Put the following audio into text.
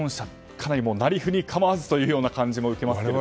かなりなりふり構わずという感じも受けますね。